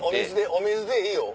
お水でいいよ。